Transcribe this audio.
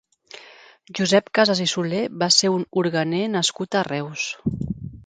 Josep Cases i Soler va ser un orguener nascut a Reus.